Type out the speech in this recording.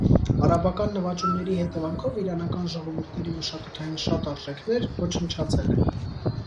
Արաբական նվաճումների հետևանքով իրանական ժողովուրդների մշակութային շատ արժեքներ ոչնչացել են։